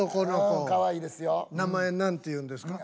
名前何ていうんですか？